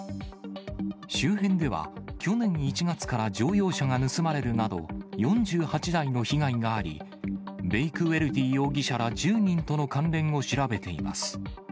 周辺では、去年１月から乗用車が盗まれるなど、４８台の被害があり、ベイクウェルディ容疑者ら、１０人との関連を調べています。